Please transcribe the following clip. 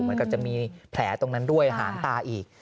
เหมือนกับจะมีแผลตรงนั้นด้วยหางตาอีก